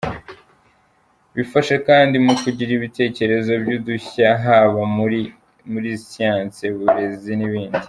Bifasha kandi mu kugira ibitekerezo by’udushya haba muri muri siyansi, uburezi n’ibindi.